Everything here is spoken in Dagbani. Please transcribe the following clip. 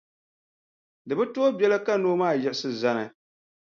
Di bi tooi biɛla ka noo maa yiɣisi zani.